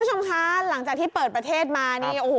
คุณผู้ชมคะหลังจากที่เปิดประเทศมา